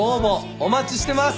お待ちしてます。